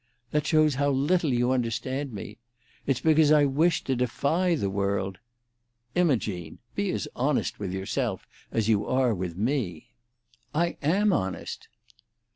"That shows how little you understand me. It's because I wish to defy the world—" "Imogene! Be as honest with yourself as you are with me." "I am honest."